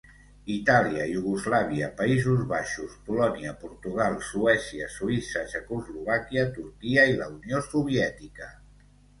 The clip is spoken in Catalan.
Itàlia, Iugoslàvia, Països Baixos, Polònia, Portugal, Suècia, Suïssa, Txecoslovàquia, Turquia i la Unió Soviètica.